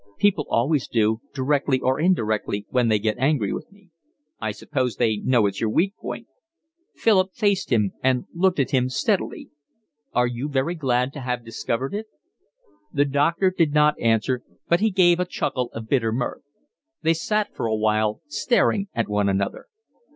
"People always do, directly or indirectly, when they get angry with me." "I suppose they know it's your weak point." Philip faced him and looked at him steadily. "Are you very glad to have discovered it?" The doctor did not answer, but he gave a chuckle of bitter mirth. They sat for a while staring at one another.